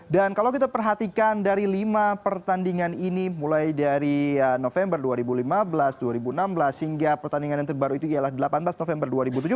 dan kalau kita perhatikan dari lima pertandingan ini mulai dari november dua ribu lima belas dua ribu enam belas hingga pertandingan yang terbaru itu yalah delapan belas november dua ribu tujuh belas